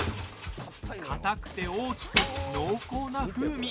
かたくて大きく、濃厚な風味。